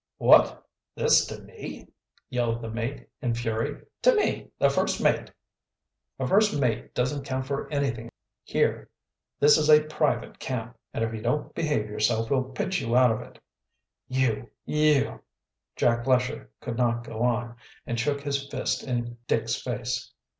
"What! This to me!" yelled the mate, in fury. "To me, the first mate!" "A first mate doesn't count for anything here. This is a private camp, and if you don't behave yourself we'll pitch you out of it." "You you " Jack Lesher could not go on, and shook his fist in Dick's face.